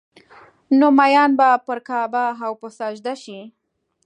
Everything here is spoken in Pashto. نو مين به پر کعبه او په سجده شي